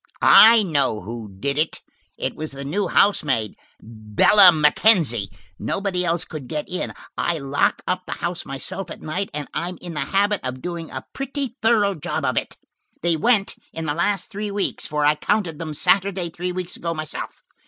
I know who did it. It was the new housemaid, Bella MacKenzie. Nobody else could get in. I lock up the house myself at night, and I'm in the habit of doing a pretty thorough job of it. They went in the last three weeks, for I counted them Saturday three weeks ago myself.